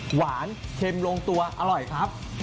หวานเค็มลงตัวอร่อยครับ